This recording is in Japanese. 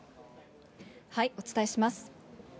お伝えします。